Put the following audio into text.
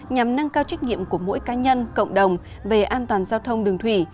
nhằm nâng cao trách nhiệm của mỗi cá nhân cộng đồng về an toàn giao thông đường thủy